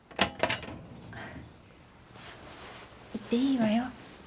言っていいわよ。